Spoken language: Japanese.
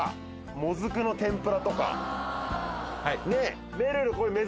もずくの天ぷらとか。